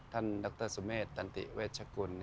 ท่านดรสุเมดตันติเวชคล